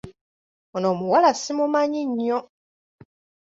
Ono omuwala simumanyi nnyo.